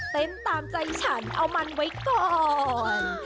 ตามใจฉันเอามันไว้ก่อน